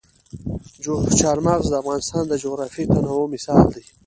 چار مغز د افغانستان د جغرافیوي تنوع مثال دی.